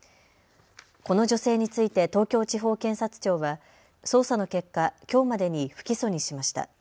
この女性について東京地方検察庁は、捜査の結果、きょうまでに不起訴にしました。